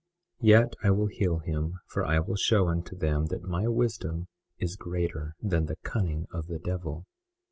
Yet I will heal him, for I will show unto them that my wisdom is greater than the cunning of the devil.